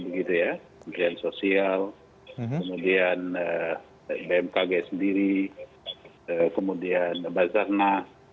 kementerian sosial kemudian bmkg sendiri kemudian bazarna